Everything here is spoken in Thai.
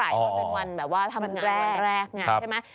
มันเป็นวันแบบว่าทำงานวันแรกใช่ไหม